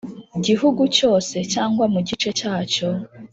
Gihugu cyose cyangwa mu gice cyacyo,